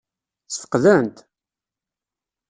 Ssfeqden-t?